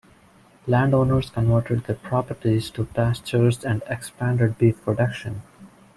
Landowners converted their properties to pastures and expanded beef production.